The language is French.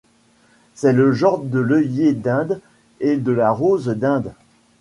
C'est le genre de l'œillet d'Inde et de la rose d'Inde.